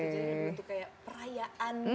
jadi kayak perayaan